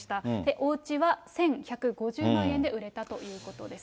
おうちは１１５０万円で売れたということです。